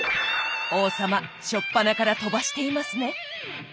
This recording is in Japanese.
王様初っぱなから飛ばしていますね。